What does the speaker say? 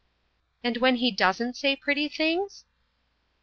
"And when he doesn't say pretty things?"